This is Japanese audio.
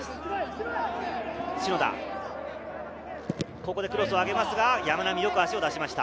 ここでクロスを上げますが、山並よく足を出しました。